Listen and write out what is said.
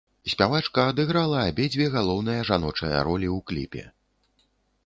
Спявачка адыграла абедзве галоўныя жаночыя ролі ў кліпе.